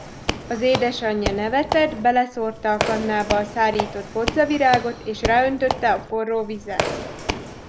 Az édesanyja nevetett, beleszórta a kannába a szárított bodzavirágot, és ráöntötte a forró vizet.